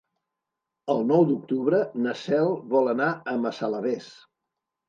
El nou d'octubre na Cel vol anar a Massalavés.